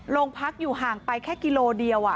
โรงพักอยู่ห่างไปแค่กิโลเดียว